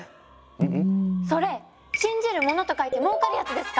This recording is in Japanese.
ううん？それ信じる者と書いて儲かるやつですか？